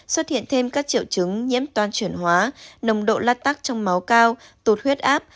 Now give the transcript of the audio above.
xuất hiện thêm các triệu chứng nhiễm toàn chuyển hóa nồng độ la tắc trong máu cao tụt huyết áp